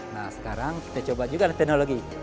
nah sekarang kita coba juga adalah teknologi